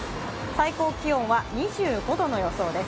最高気温は２５度の予想です。